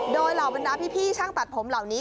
โดยเหล่าบรรดาพี่ช่างตัดผมเหล่านี้